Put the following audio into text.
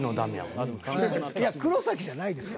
いや黒崎じゃないです。